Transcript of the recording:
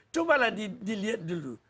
cobalah dilihat dulu